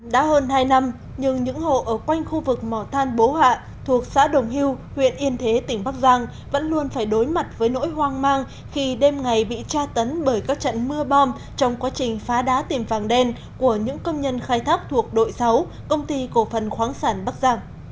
đã hơn hai năm nhưng những hộ ở quanh khu vực mỏ than bố hạ thuộc xã đồng hưu huyện yên thế tỉnh bắc giang vẫn luôn phải đối mặt với nỗi hoang mang khi đêm ngày bị tra tấn bởi các trận mưa bom trong quá trình phá đá tìm vàng đen của những công nhân khai thác thuộc đội sáu công ty cổ phần khoáng sản bắc giang